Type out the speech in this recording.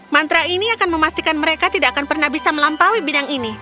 mantra ini akan memastikan mereka tidak akan pernah bisa melampaui bidang ini